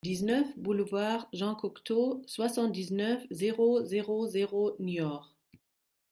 dix-neuf boulevard Jean Cocteau, soixante-dix-neuf, zéro zéro zéro, Niort